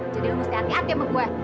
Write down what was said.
jadi lu mesti hati hati sama gue